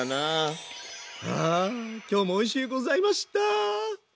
今日もおいしゅうございました！